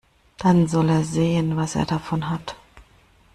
Dann soll er sehen, was er davon hat.